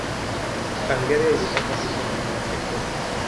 Hungaria ilipata bunge lake la pekee.